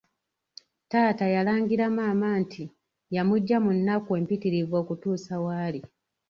Taata yalangira maama nti yamuggya mu nnaku empitirivu okumutuusa w’ali.